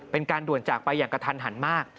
เป็นการด่วนจากไปอย่างกระทันหันมาก